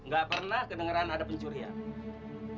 gak pernah kedengeran ada pencurian